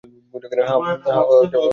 হ্যাঁ, তেমনই।